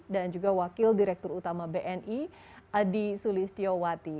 dan juga wakil direktur utama bni adi sulistyo wati